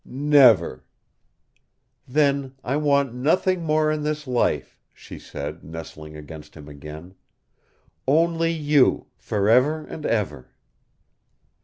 "Never!" "Then I want nothing more in this life," she said, nestling against him again. "Only you, for ever and ever."